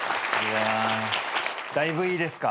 だいぶいいですか？